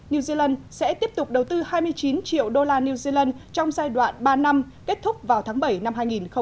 new zealand sẽ tiếp tục đầu tư hai mươi chín triệu đô la new zealand trong giai đoạn ba năm kết thúc vào tháng bảy năm hai nghìn hai mươi